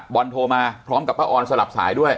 บอลโทรมาพร้อมกับป้าออนสลับสายด้วย